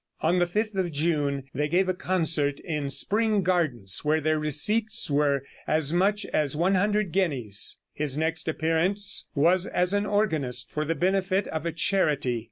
On the fifth of June they gave a concert in Spring Gardens, where their receipts were as much as 100 guineas. His next appearance was as an organist for the benefit of a charity.